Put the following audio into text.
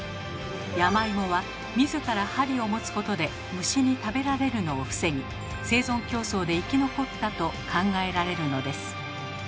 山芋は自ら針を持つことで虫に食べられるのを防ぎ生存競争で生き残ったと考えられるのです。